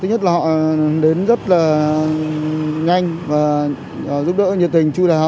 họ đến rất là nhanh và giúp đỡ nhiệt tình chú đáo